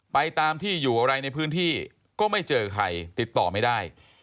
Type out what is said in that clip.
ตามที่อยู่อะไรในพื้นที่ก็ไม่เจอใครติดต่อไม่ได้